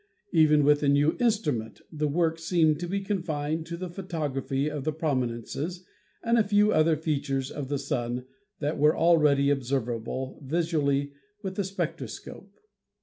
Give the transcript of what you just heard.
Even with the new instrument the ix x INTRODUCTION work seemed to be confined to the photography of the prominences and a few other features of the Sun that were already observable visually with the spectroscope.